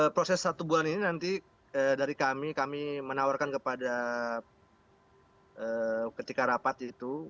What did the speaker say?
proses satu bulan ini nanti dari kami kami menawarkan kepada ketika rapat itu